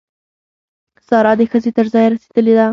سارا د ښځې تر ځایه رسېدلې ده.